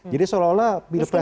jadi seolah olah pilpres ini